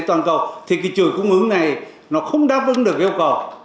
toàn cầu thì cái chuỗi cung ứng này nó không đáp ứng được yêu cầu